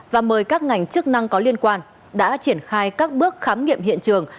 và mời các ngành chức năng có liên quan đã triển khai các bước khám nghiệm hiện trường